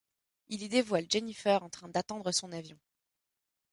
Il y dévoile Jennifer en train d'attendre son avion.